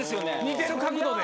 似てる角度で。